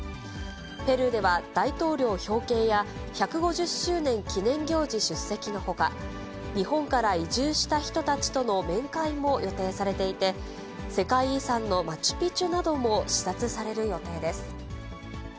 ペルーでは大統領表敬や、１５０周年記念行事出席のほか、日本から移住した人たちとの面会も予定されていて、世界遺産のマチュピチュなども視察される予定です。